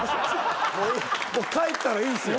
もう帰ったらいいんですよ。